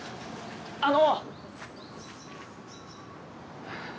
あの！